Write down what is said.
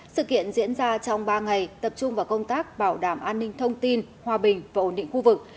sự kiện diễn ra trong ba ngày tập trung vào công tác bảo đảm an ninh thông tin hòa bình và ổn định khu vực